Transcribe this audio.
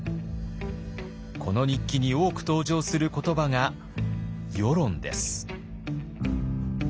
この日記に多く登場する言葉が「輿論」です。